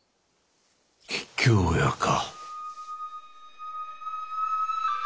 桔梗屋か。